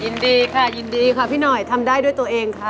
ยินดีค่ะยินดีค่ะพี่หน่อยทำได้ด้วยตัวเองค่ะ